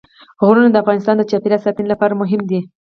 غرونه د افغانستان د چاپیریال ساتنې لپاره مهم دي.